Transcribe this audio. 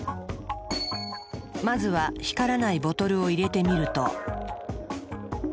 まずは光らないボトルを入れてみると。